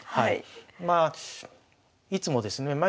まあいつもですねまあ